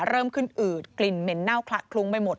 เริ่มขึ้นอืดกลิ่นเหม็นเน่าคละคลุ้งไปหมด